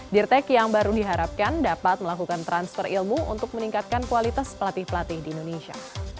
dirtek yang baru diharapkan dapat melakukan transfer ilmu untuk meningkatkan kualitas pelatih pelatih di indonesia